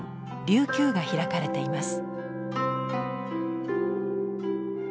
琉球が開かれています。